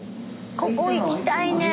ここ行きたいね。